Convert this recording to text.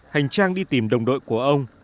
hành trang đi tìm đồng đội của ông